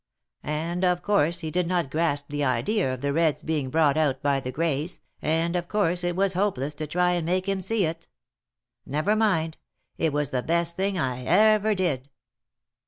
And of course he did not grasp the idea of the reds being brought out by the grays, and of course it was hopeless to try and make him see it. Never mind ; it was the best thing I ever did